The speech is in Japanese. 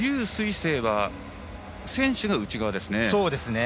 青は選手が内側ですね。